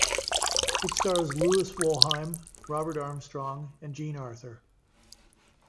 It stars Louis Wolheim, Robert Armstrong, and Jean Arthur.